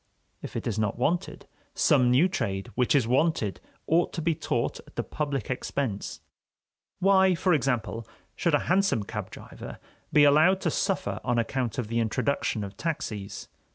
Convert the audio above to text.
If it is not wanted, some new trade which is wanted ought to be taught at the public expense. Why, for example, should a hansom cab driver be allowed to suffer on account of the introduction of taxies?